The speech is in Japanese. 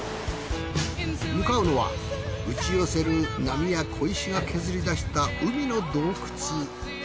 向かうのは打ち寄せる波や小石が削り出した海の洞窟。